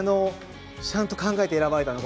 ちゃんと考えて選ばれたのが。